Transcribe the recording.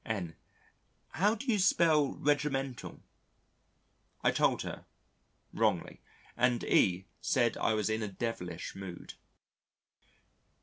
N : "How do you spell 'regimental'?" I told her wrongly, and E said I was in a devilish mood.